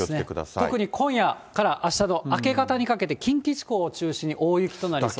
特に今夜からあしたの明け方にかけて、近畿地方を中心に大雪となりそうです。